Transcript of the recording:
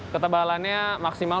ketebalannya maksimal satu dua